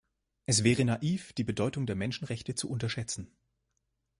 Es wäre naiv, die Bedeutung der Menschenrechte zu unterschätzen.